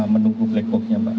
menunggu blackbooknya pak